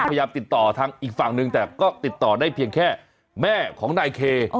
พยายามติดต่อทางอีกฝั่งหนึ่งแต่ก็ติดต่อได้เพียงแค่แม่ของนายเค